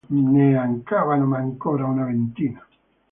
Ne mancavano ancora una ventina.